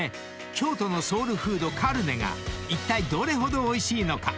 京都のソウルフードカルネがいったいどれほどおいしいのか？］